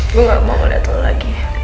gue gak mau keliatan lo lagi